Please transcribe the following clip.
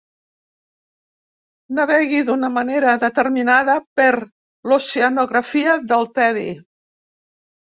Navegui d'una manera determinada per l'oceanografia del tedi.